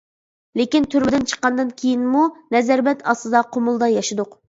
لېكىن تۈرمىدىن چىققاندىن كېيىنمۇ نەزەربەند ئاستىدا قۇمۇلدا ياشىدۇق.